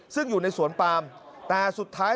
ซึ่งอยู่ในสวนปามแต่สุดท้าย